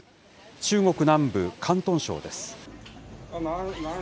中国南部、広東省です。